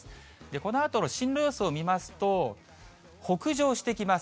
このあとの進路予想を見ますと、北上してきます。